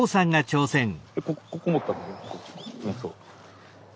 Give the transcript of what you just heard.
ここ持った方が。